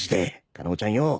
カナヲちゃんよぉ。